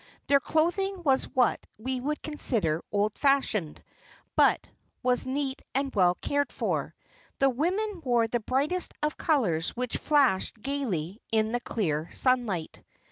Their clothing was what we would consider old fashioned, but was neat and well cared for. The women wore the brightest of colors which flashed gaily in the clear sunlight.